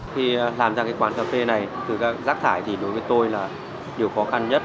khi làm ra cái quán cà phê này rác thải thì đối với tôi là điều khó khăn nhất